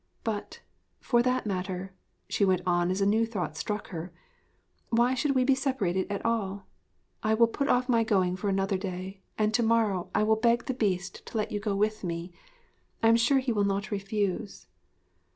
But, for that matter,' she went on as a new thought struck her, 'why should we be separated at all? I will put off my going for another day, and to morrow I will beg the Beast to let you go with me. I am sure he will not refuse.'